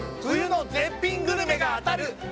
冬の絶品グルメが当たる！